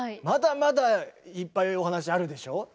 まだまだいっぱいお話あるでしょ？